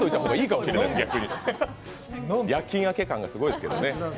夜勤明け感がすごいですけどね。